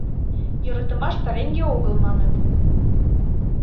— Йӧратымаш пареҥге огыл, маныт.